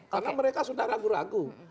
karena mereka sudah ragu ragu